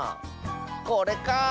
これか！